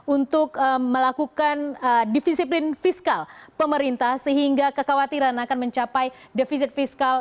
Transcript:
untuk melakukan divisi fiskal pemerintah sehingga kekhawatiran akan mencapai defisit fiskal